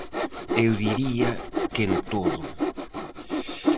Eu diría que en todo.